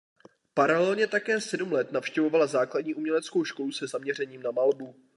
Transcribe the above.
Paralelně také sedm let navštěvovala Základní uměleckou školu se zaměřením na malbu.